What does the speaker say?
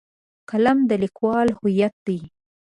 قلم د لیکوال هویت دی.